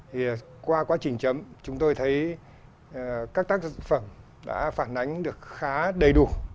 thì qua quá trình chấm chúng tôi thấy các tác phẩm đã phản ánh được khá đầy đủ